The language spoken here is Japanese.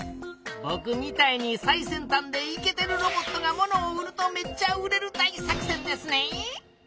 ぼくみたいに最先たんでいけてるロボットがものを売るとめっちゃ売れる大作戦ですね！